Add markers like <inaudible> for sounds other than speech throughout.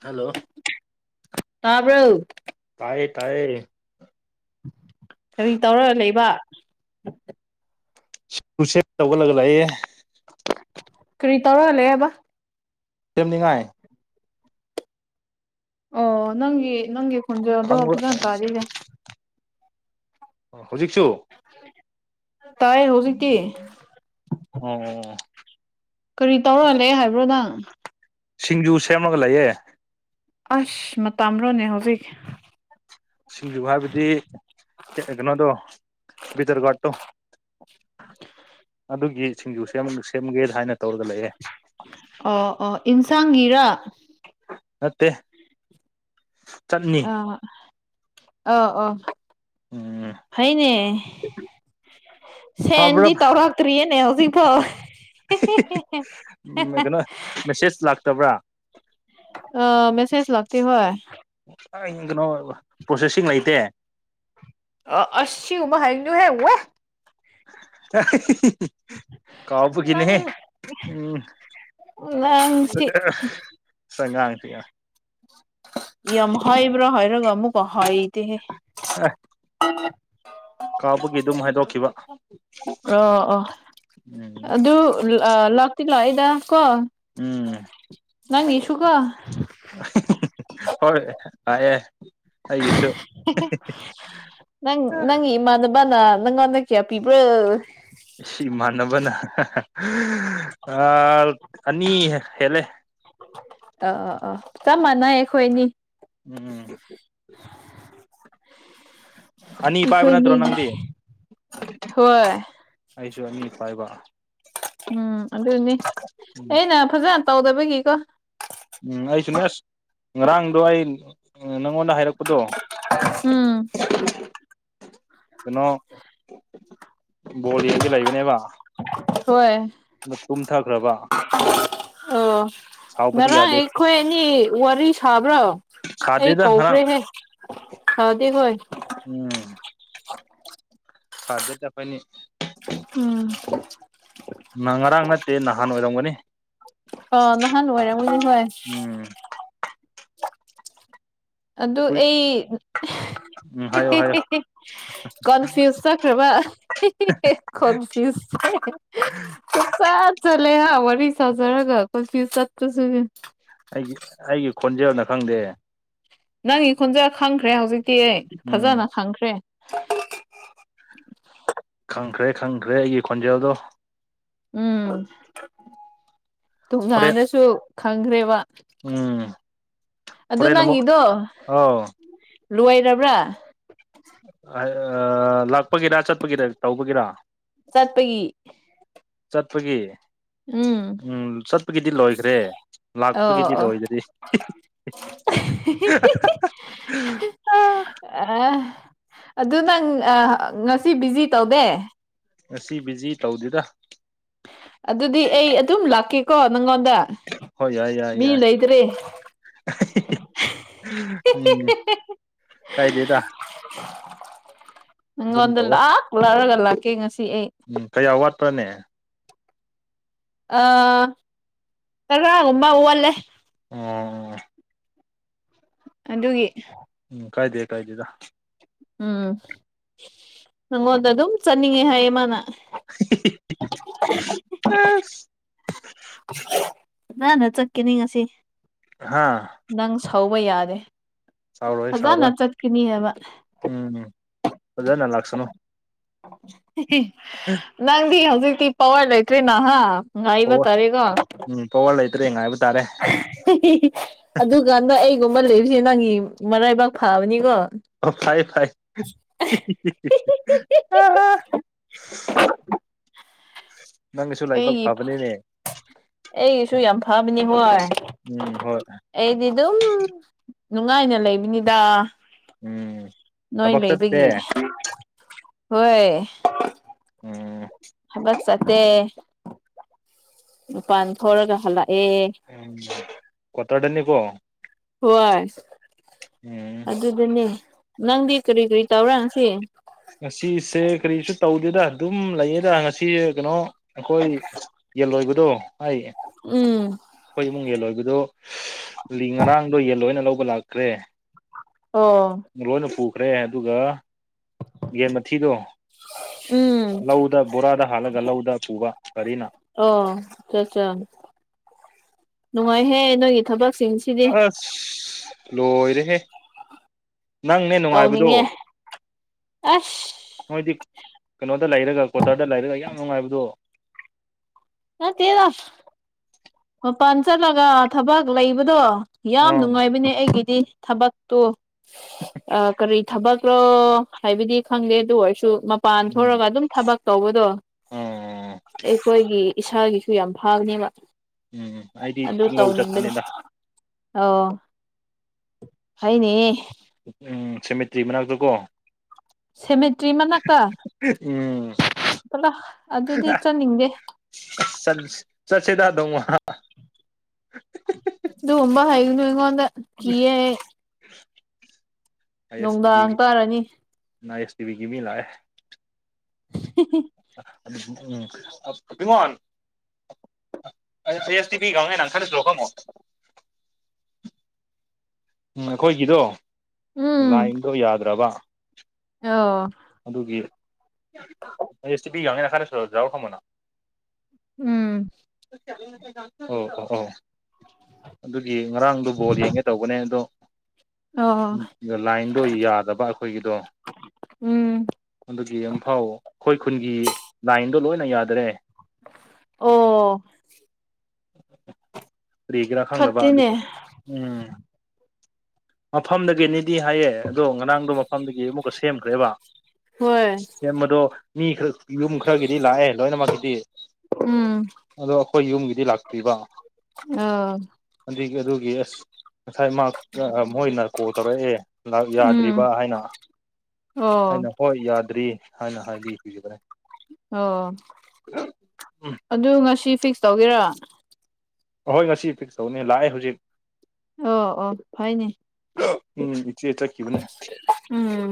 hello ꯇꯥꯕ꯭ꯔꯣ ꯇꯥꯏꯌꯦ ꯇꯥꯏꯌꯦ ꯀꯔꯤ ꯇꯧꯔꯒ ꯂꯩꯕ ꯄꯨꯁꯑꯞ ꯇꯧꯔꯒ ꯂꯩꯌꯦ ꯀꯔꯤ ꯇꯧꯔ ꯂꯩꯌꯦꯕ ꯁꯦꯝꯅꯤꯡꯉꯥꯏ ꯑꯣ ꯅꯪꯒꯤ ꯅꯪꯒꯤ ꯈꯨꯟꯖꯦꯜꯗꯣ ꯈꯪꯕ꯭ꯔ ꯐꯖꯅ ꯇꯥꯗꯤꯌꯦ ꯍꯧꯖꯤꯛꯁꯨ ꯇꯥꯏ ꯍꯧꯖꯤꯛꯇꯤ ꯑꯣ ꯑꯣ ꯀꯔꯤ ꯇꯧꯔ ꯂꯩ ꯍꯥꯏꯕ꯭ꯔꯣ ꯅꯪ ꯁꯤꯡꯖꯨ ꯁꯦꯝꯃꯒ ꯂꯩꯌꯦ ꯑꯁ ꯃꯇꯝꯔꯣꯅꯦ ꯍꯧꯖꯤꯛ ꯁꯤꯡꯖꯨ ꯍꯥꯏꯕꯗꯤ ꯀꯩꯅꯣꯗꯣ ꯕꯤꯇꯔ ꯒ꯭ꯋꯥꯠꯇꯣ ꯑꯗꯨꯒꯤ ꯁꯤꯡꯖꯨ ꯁꯦꯝ ꯁꯦꯝꯒꯦꯅ ꯍꯥꯏꯅ ꯇꯧꯔꯒ ꯂꯩꯌꯦ ꯑꯣ ꯑꯣ ꯏꯟꯁꯥꯡꯒꯤꯔ ꯅꯠꯇꯦ ꯆꯠꯅꯤ ꯑꯥ ꯑꯧ ꯑꯧ ꯎꯝ ꯐꯩꯅꯦ ꯐꯕ꯭ꯔꯥ ꯁꯦꯟꯗꯤ ꯇꯧꯔꯛꯇ꯭ꯔꯤꯌꯦꯅꯦ ꯍꯧꯖꯤꯛꯐꯥꯎ ꯃꯦꯁꯦꯁ ꯂꯥꯛꯇꯕ꯭ꯔ ꯑꯥ ꯃꯦꯁꯦꯁ ꯂꯥꯛꯇꯦ ꯍꯣꯏ ꯀꯥꯏꯗꯩꯅꯣ ꯄ꯭ꯔꯣꯁꯦꯁꯁꯤꯡ ꯂꯩꯇꯦ ꯑꯁ ꯁꯤꯒꯨꯝꯕ ꯍꯥꯏꯒꯅꯨꯍꯦ ꯋꯦ ꯅꯪ ꯀꯥꯎꯕꯒꯤꯅꯦꯍꯦ ꯎꯝ ꯅꯪꯁꯤ <inaudible> ꯌꯥꯝ ꯍꯥꯏꯕ꯭ꯔ ꯍꯥꯏꯔꯒ ꯑꯃꯨꯛꯀ ꯍꯥꯏꯗꯦꯍꯦ ꯑꯥꯢ ꯀꯥꯎꯕꯒꯤ ꯑꯗꯨꯝ ꯍꯥꯏꯗꯣꯛꯈꯤꯕ ꯑꯣ ꯑꯣ ꯎꯝ ꯑꯗꯨ ꯂꯥꯛꯇꯤ ꯂꯥꯛꯏꯗ ꯀꯣ ꯎꯝ ꯅꯪꯒꯤꯁꯨꯨꯀꯣ <unintelligible> ꯍꯦ ꯍꯦ ꯅꯪ ꯅꯪꯒꯤ ꯏꯃꯥꯗꯣ ꯕꯅ ꯅꯪꯉꯣꯟꯗ ꯀ꯭ꯌꯥ ꯄꯤꯕ꯭ꯔꯣ ꯁꯤ ꯏꯃꯥꯟꯅꯕꯅ ꯍ ꯍ ꯑꯥ ꯑꯅꯤ ꯍꯦꯜꯂꯦ ꯑ ꯑ ꯑꯥ ꯆꯞ ꯃꯥꯟꯅꯩ ꯑꯩꯈꯣꯢꯅꯤ ꯎꯝ ꯎꯝ ꯑꯅꯤ ꯄꯥꯢꯕ ꯅꯠꯇ꯭ꯔꯣ ꯑꯩꯈꯣꯏꯅꯤꯒꯤ ꯅꯪꯗꯤ ꯍꯣꯏ ꯑꯩꯁꯨ ꯑꯅꯤ ꯄꯥꯢꯕ ꯎꯝ ꯑꯗꯨꯅꯤ ꯎꯝ ꯑꯩꯅ ꯐꯖꯟ ꯇꯧꯗꯕꯒꯤꯀꯣ ꯎꯝ ꯑꯩꯁꯨꯨꯅꯦ ꯑꯁ ꯉꯔꯥꯡꯗꯣ ꯑꯩ ꯅꯪꯉꯣꯟꯗ ꯍꯥꯢꯔꯛꯄꯗꯣ ꯎꯝ ꯀꯩꯅꯣ ꯕꯣ ꯌꯦꯡꯒꯤ ꯂꯩꯕꯅꯦꯕ ꯍꯣꯢ ꯇꯨꯝꯊꯈ꯭ꯔꯕ ꯑꯣ ꯁꯥꯎꯕꯗꯤ ꯉꯔꯥꯡ ꯌꯥꯗꯦ ꯑꯩꯈꯣꯢ ꯑꯅꯤ ꯋꯥꯔꯤ ꯁꯥꯕ꯭ꯔꯣ ꯑꯩ ꯁꯥꯗꯦꯗ ꯉꯔꯥꯡ ꯀꯧꯈ꯭ꯔꯦꯅꯦ ꯍꯥꯎꯗꯤ ꯍꯣꯢ ꯎꯝ ꯁꯥꯗ ꯆꯄꯥꯢꯅꯤ ꯎꯝ ꯉꯔꯥꯡ ꯅꯠꯇꯦ ꯅꯍꯥꯟ ꯑꯣꯢꯔꯝꯒꯅꯤ ꯑ ꯅꯍꯥꯟ ꯑꯣꯏꯔꯝꯒꯅꯤ ꯍꯣꯏ ꯎꯝ ꯎꯝ ꯍꯥꯏꯌꯣ ꯍꯥꯏꯌꯣ <unintelligible> ꯀꯣꯟꯐ꯭ꯌꯨꯁ ꯆꯈ꯭ꯔꯕ ꯍꯦ ꯍꯦ ꯀꯣꯟꯐ꯭ꯌꯨꯁ ꯍꯦ ꯍꯦ ꯀꯣꯢ ꯆ ꯆꯠꯂꯦ ꯍꯥ ꯋꯥꯔꯤ ꯁꯥꯖꯔꯒ ꯀꯣꯟꯐ꯭ꯌꯨꯁ ꯆꯠꯄꯁꯤꯗꯤ ꯑꯩ ꯑꯩꯒꯤ ꯈꯣꯟꯖꯦꯜꯅ ꯈꯪꯗꯦ ꯅꯪꯒꯤ ꯈꯣꯟꯖꯦꯜ ꯈꯪꯈ꯭ꯔꯦ ꯍꯧꯖꯤꯛꯇꯤ ꯑꯩ ꯎꯝ ꯐꯖꯅ ꯈꯪꯈ꯭ꯔꯦ ꯈꯪꯈ꯭ꯔꯦ ꯈꯪꯈ꯭ꯔꯦ ꯑꯩꯒꯤ ꯈꯣꯟꯖꯦꯜꯗꯣ ꯎꯝ ꯍꯣꯔꯦꯟ ꯇꯨꯉꯥꯟꯅꯁꯨ ꯈꯪꯈ꯭ꯔꯦꯕ ꯎꯝ ꯑꯗꯨ ꯍꯣꯔꯦꯟꯑꯃꯨꯛ ꯑꯥꯎ ꯂꯣꯢꯔꯕ꯭ꯔꯥ ꯑꯥꯢ ꯑ ꯂꯥꯛꯄꯒꯤꯔ ꯆꯠꯄꯒꯤꯔ ꯇꯧꯕꯒꯤꯔ ꯆꯠꯄꯒꯤ ꯆꯠꯄꯒꯤ ꯎꯝ ꯆꯠꯄꯒꯤꯗꯤ ꯂꯣꯢꯈ꯭ꯔꯦ ꯑꯣ ꯂꯥꯛꯄꯒꯤꯗꯤ ꯑꯣ ꯂꯣꯢꯗꯔꯤ <unintelligible> ꯑ ꯑꯗꯨ ꯅꯪ ꯉꯁꯤ ꯕꯤꯖꯤ ꯇꯧꯗꯦ ꯉꯁꯤ ꯕꯤꯖꯤ ꯇꯧꯗꯦꯗ ꯑꯗꯨꯗꯤ ꯑꯩ ꯑꯗꯨꯝ ꯂꯥꯛꯀꯦꯀꯣ ꯅꯪꯉꯣꯟꯗ ꯍꯣꯏ ꯌꯥꯏ ꯌꯥꯏ ꯃꯤ ꯌꯥꯏ ꯂꯩꯇ꯭ꯔꯤ <unintelligible> ꯀꯥꯢꯗꯦꯗ <inaudible> ꯅꯪꯉꯣꯟꯗ ꯇꯧꯋꯣ ꯂꯥꯛ ꯂꯔꯒ ꯂꯥꯛꯀꯦ ꯉꯁꯤ ꯑꯩ ꯎꯝ ꯀꯌꯥ ꯋꯥꯠꯄ꯭ꯔꯅꯦ ꯑ ꯇꯔꯥꯒꯨꯝꯕ ꯋꯠꯂꯦ ꯑꯣ ꯑꯗꯨꯒꯤ ꯀꯥꯏꯗꯦ ꯀꯥꯏꯗꯦꯗ ꯎꯝ ꯅꯪꯉꯣꯟꯗ ꯑꯗꯨꯝ ꯆꯠꯅꯤꯡꯉꯦ ꯍꯥꯏꯌꯦ ꯃꯥꯅ <unintelligible> <unintelligible> ꯑꯁ <unintelligible> ꯅꯥꯟꯅ ꯆꯠꯀꯅꯤ ꯉꯁꯤ ꯍꯥꯥ ꯅꯪ ꯁꯧꯕ ꯌꯥꯔꯦ ꯁꯥꯎꯔꯣꯏ ꯁꯥꯎꯔꯣꯏ ꯍꯥꯏꯕ ꯎꯝ ꯐꯖꯥꯅ ꯂꯥꯛꯁꯅꯨ <unintelligible> ꯅꯪꯗꯤ ꯍꯧꯖꯤꯛꯇꯤ ꯄꯥꯋꯔ ꯂꯩꯇ꯭ꯔꯦꯅ ꯍꯥ ꯉꯥꯏꯕ ꯄꯋꯥꯔ ꯇꯥꯔꯦꯀꯣ <unintelligible> ꯎꯝ ꯄꯋꯥꯔ ꯂꯩꯇ꯭ꯔꯦ ꯉꯥꯏꯕ ꯇꯥꯔꯦ ꯑꯗꯨꯒ ꯗꯨꯒ ꯑꯩꯒꯨꯝꯕ ꯂꯩꯔꯤꯁꯦ ꯅꯪꯒꯤ ꯃꯔꯥꯏꯕꯥꯛ ꯐꯥꯕꯅꯤꯀꯣ ꯑꯣ ꯐꯩ ꯐꯩ <unintelligible> <unintelligible> ꯂꯥꯏꯕꯛ ꯑꯩꯒꯤ ꯐꯕꯅꯤꯅꯦ <unintelligible> ꯑꯩꯒꯤꯁꯨ ꯌꯥꯝ ꯐꯥꯕꯅꯤ ꯍꯣꯏ ꯎꯝ ꯍꯣꯏ ꯑꯩꯗꯤ ꯗꯨꯝ ꯅꯨꯡꯉꯥꯏꯅ ꯂꯩꯕꯅꯤꯗ ꯎꯝ ꯅꯣꯏ ꯊꯕꯛ ꯆꯠꯇꯦ ꯂꯩꯕꯒꯤ ꯍꯣꯏ ꯎꯪ ꯊꯥꯕꯛ ꯆꯠꯇꯦ ꯃꯄꯥꯥꯟ ꯊꯣꯔꯒ ꯍꯂꯥꯛꯑꯦ <unintelligible> ꯀ꯭ꯋꯥꯇꯔꯇꯔꯗꯅꯦ ꯀꯣ ꯋꯣꯏ ꯎꯝ ꯑꯗꯨꯗꯅꯦ ꯅꯪꯗꯤ ꯀ꯭ꯔꯤ ꯀ꯭ꯔꯤ ꯇꯧꯔꯥ ꯉꯁꯤ ꯉꯁꯤꯁꯦ ꯀꯔꯤꯁꯨ ꯇꯧꯗꯦꯗ ꯑꯗꯨꯝ ꯂꯩꯌꯦꯗ ꯉꯁꯤ ꯀꯩꯅꯣ ꯑꯈꯣꯏ ꯌꯦꯜ ꯂꯣꯏꯕꯗꯣ ꯑꯩ ꯎꯝ ꯑꯈꯣꯏ ꯏꯃꯨꯡ ꯌꯦꯟ ꯂꯣꯏꯕꯗꯣ <unintelligible> ꯉꯔꯥꯡꯗꯣ ꯌꯦꯟ ꯂꯣꯏꯅ ꯂꯧꯕ ꯂꯥꯛꯈ꯭ꯔꯦ ꯑꯣ ꯂꯣꯏꯅ ꯄꯨꯈ꯭ꯔꯦ ꯑꯗꯨꯒ ꯌꯦꯟ ꯃꯊꯤꯗꯣ ꯎꯝ ꯂꯧꯗ ꯕꯣꯔꯥꯗ ꯍꯥꯜꯂꯒ ꯂꯧꯗ ꯄꯨꯕ ꯒꯔꯤꯅ ꯑꯣ ꯆ ꯆ ꯅꯨꯡꯉꯥꯏꯍꯦ ꯅꯣꯏꯒꯤ ꯊꯕꯛꯁꯤꯡꯁꯤ ꯑꯁ ꯂꯣꯏꯔꯦꯍꯦ ꯅꯪꯅꯦ ꯅꯨꯡꯉꯥꯏꯕꯗꯣ ꯇꯧꯅꯤꯡꯉꯦ ꯑꯁ ꯅꯣꯏꯗꯤ ꯀꯩꯅꯣꯗ ꯂꯩꯔꯒ ꯀ꯭ꯋꯥꯇꯔꯗ ꯂꯩꯔꯒ ꯌꯥꯝ ꯅꯨꯡꯉꯥꯏꯕꯗꯣ ꯅꯠꯇꯦꯗ ꯃꯄꯥꯟ ꯆꯠꯂꯒ ꯊꯕꯛ ꯂꯩꯕꯗꯣ ꯌꯥꯝ ꯑꯥ ꯅꯨꯡꯉꯥꯏꯕꯅꯦ ꯑꯩꯒꯤꯗꯤ ꯊꯕꯛ ꯇꯣ ꯑ ꯀꯔꯤ ꯊꯕꯛꯔꯣ ꯍꯥꯏꯕꯗꯤ ꯈꯪꯗꯦ ꯑꯗꯨ ꯑꯣꯏꯔꯁꯨ ꯃꯄꯥꯟ ꯎꯝ ꯊꯣꯔꯒ ꯑꯗꯨꯝ ꯊꯕꯛ ꯇꯧꯕꯗꯣ ꯑꯥ ꯑꯩꯈꯣꯏꯒꯤ ꯏꯁꯥꯒꯤꯁꯨ ꯌꯥꯝ ꯐꯥꯒꯅꯦꯕ ꯎꯝ ꯎꯝ ꯑꯩꯗꯤ ꯊꯤꯡꯂꯧ ꯆꯠꯄꯅꯦꯗ ꯑꯧ ꯐꯩꯅꯦꯍꯦ ꯎꯝ ꯁꯦꯃꯤꯇ꯭ꯔꯤ ꯃꯅꯥꯛꯇ ꯀꯣ ꯁꯦꯃꯤꯇ꯭ꯔꯤ ꯃꯅꯥꯛꯇ ꯎꯝ ꯄꯨꯂꯥ ꯑꯗꯨꯗꯤ ꯆꯠꯅꯤꯡꯗꯦ <unintelligible> ꯆꯠꯁꯦꯗꯥ ꯅꯣꯡꯃ <unintelligible> ꯑꯗꯨꯒꯨꯝꯕ ꯍꯥꯏꯒꯅꯨ ꯑꯩꯉꯣꯟꯗ ꯀꯤꯌꯦ ꯑꯥꯏ ꯑꯦꯁ ꯇꯤ ꯚꯤ ꯅꯨꯡꯗꯥꯡ ꯇꯥꯔꯅꯤ ꯑꯥꯏ ꯑꯦꯁ ꯇꯤ ꯚꯤꯒꯤ ꯃꯤ ꯂꯥꯛꯑꯦ ꯍꯤ ꯍꯤ <unintelligible> ꯕꯤꯃꯣꯟ <unintelligible> ꯎꯝ ꯑꯩꯈꯣꯏꯒꯤꯗꯣ ꯎꯝ ꯂꯥꯏꯟꯗꯣ ꯌꯥꯗ꯭ꯔꯕ ꯑꯣ ꯑꯗꯨꯒꯤ <unintelligible> ꯎꯝ <unintelligible> ꯑꯗꯨꯒꯤ ꯉꯔꯥꯡꯗꯨ ꯕꯣꯜ ꯌꯦꯡꯒꯦ ꯇꯧꯕꯅꯦ ꯑꯗꯣ ꯑꯣ ꯂꯥꯏꯟꯗꯣ ꯌꯥꯗꯕ ꯑꯩꯈꯣꯏꯒꯤꯗꯣ ꯎꯝ ꯑꯗꯨꯒꯤ ꯑꯝꯐꯥꯎ ꯑꯈꯣꯏ ꯈꯨꯟꯒꯤ ꯂꯥꯏꯟꯗꯣ ꯂꯣꯏꯅ ꯌꯥꯗꯔꯦ ꯑꯣ ꯀ꯭ꯔꯤꯒꯤꯔꯥ ꯈꯪꯗꯕ ꯐꯠꯇꯦꯅꯦ ꯑꯗꯨꯒꯤ ꯎꯝ ꯃꯐꯝꯗꯒꯦꯅꯦꯗꯤ ꯍꯥꯏꯌꯦ ꯑꯗꯣ ꯉꯔꯥꯡꯗꯣ ꯃꯐꯝꯗꯒꯤ ꯑꯃꯨꯛꯀ ꯁꯦꯝꯈ꯭ꯔꯦꯕ ꯍꯣꯏ ꯁꯦꯝꯕꯗꯣ ꯃꯤ ꯈꯔ ꯌꯨꯝ ꯈꯔꯒꯤꯗꯤ ꯂꯥꯛꯑꯦ ꯂꯣꯏꯅꯃꯛꯀꯤꯗꯤ ꯎꯝ ꯑꯗꯣ ꯑꯈꯣꯏ ꯌꯨꯝꯒꯤꯗꯤ ꯂꯥꯛꯇ꯭ꯔꯤꯕ ꯑ ꯑꯗꯨꯒꯤ ꯑꯗꯨꯒꯤ ꯑꯁ ꯉꯁꯥꯏ ꯃꯥ ꯃꯣꯏꯅ ꯀꯣꯜ ꯇꯧꯔꯛꯑꯦ ꯕ꯭ꯂꯕ ꯎꯝ ꯌꯥꯗ꯭ꯔꯤꯕ ꯍꯥꯏꯅ ꯑꯣ ꯑꯩꯅ ꯍꯣꯏ ꯌꯥꯗ꯭ꯔꯤ ꯍꯥꯏꯅ ꯍꯥꯏꯕꯤꯈꯤꯕꯅꯦ ꯑꯣ ꯎꯝ ꯑꯗꯨ ꯉꯁꯤ ꯐꯤꯛꯁ ꯇꯧꯒꯦꯔꯥ ꯍꯣꯏ ꯉꯁꯤ ꯐꯤꯛꯁ ꯇꯧꯅꯤ ꯂꯥꯛꯑꯦ ꯍꯧꯖꯤꯛ ꯑꯣ ꯑꯣ ꯐꯩꯅꯦ ꯎꯝ ꯏꯆꯦ ꯆꯠꯈꯤꯕꯅꯦ ꯎꯝ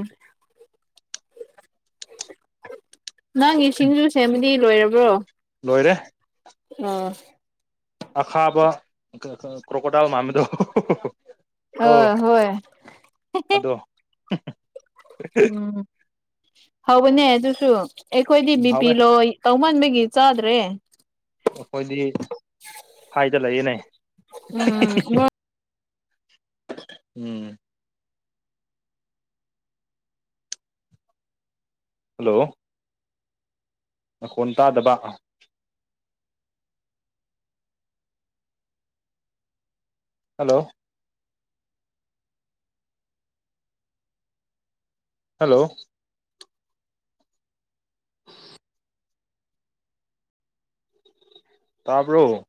ꯅꯪꯒꯤ ꯁꯤꯡꯖꯨ ꯁꯦꯝꯕꯗꯤ ꯂꯣꯏꯔꯕ꯭ꯔꯣ ꯂꯣꯏꯔꯦ ꯑꯥ ꯑꯈꯥꯕ ꯀ꯭ꯔꯣꯀꯣꯗꯥꯜ ꯃꯥꯟꯕꯗꯨ ꯑ ꯑꯣ ꯍꯣꯏ ꯑꯗꯨ ꯎꯝ ꯍꯥꯎꯕꯅꯦ ꯑꯗꯨꯁꯨ ꯑꯩꯈꯣꯏꯗꯤ ꯕꯤ ꯄꯤ ꯍꯥꯎꯋꯦ ꯂꯣ ꯑꯣꯏ ꯇꯧꯃꯥꯟꯕꯒꯤ ꯆꯥꯗ꯭ꯔꯦ ꯑꯩꯈꯣꯏꯗꯤ ꯍꯥꯏꯗ ꯂꯩꯌꯦꯅꯦ ꯎꯝ ꯎꯝ ꯍꯜꯂꯣ ꯃꯈꯣꯟ ꯇꯥꯗꯕ ꯍꯜꯂꯣ ꯍꯜꯂꯣ ꯇꯥꯕ꯭ꯔꯣ